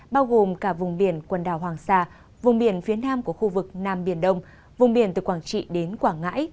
bao gồm cả vùng biển quần đảo hoàng sa vùng biển phía nam của khu vực nam biển đông vùng biển từ quảng trị đến quảng ngãi